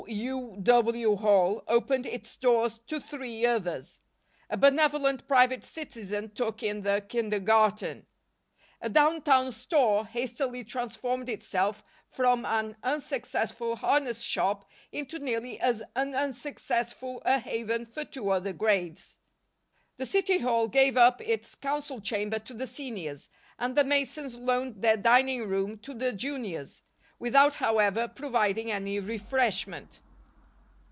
U. W. Hall opened its doors to three others. A benevolent private citizen took in the kindergarten. A downtown store hastily transformed itself from an unsuccessful harness shop into nearly as unsuccessful a haven for two other grades. The City Hall gave up its Council Chamber to the Seniors, and the Masons loaned their dining room to the Juniors, without, however, providing any refreshment.